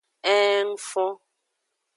Ee ng fon.